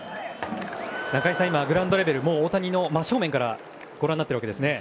中居さん、グラウンドレベルで大谷の真正面からご覧になってるわけですね。